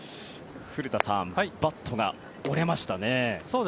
古田さんバットが折れましたね。